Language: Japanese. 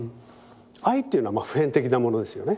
愛っていうのは普遍的なものですよね。